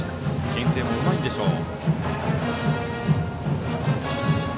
けん制もうまいんでしょう。